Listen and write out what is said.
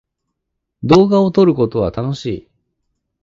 動画を撮ることは楽しい。